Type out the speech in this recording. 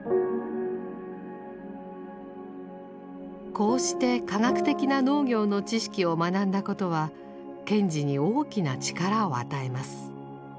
こうして科学的な農業の知識を学んだことは賢治に大きな力を与えます。